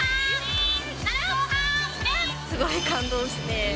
すごい感動して。